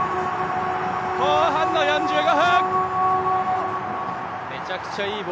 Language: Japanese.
後半の４５分！